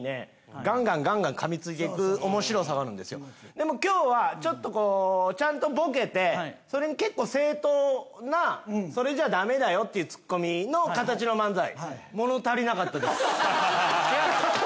やっぱりねちょっとこうちゃんとボケてそれに結構正統なそれじゃダメだよっていうツッコミの形の漫才。